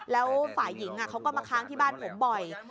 แล้วฝ่ายหญิงเขาก็มาค้างที่บ้านผมบ่อย